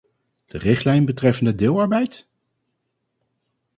De richtlijn betreffende deeltijdarbeid?